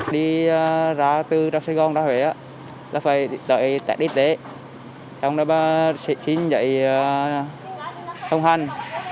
đi ra từ sài gòn ra huế là phải đợi tết y tế xin dạy thông hành